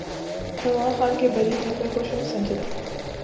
سلمان خان کے بری ہونے پر خوش ہوں سنجے دت